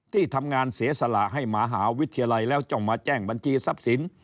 ที่ทำงานเสียสละให้มหาวิทยาลัยแล้วต้องมาแจ้งบัญชีทรัพย์สิน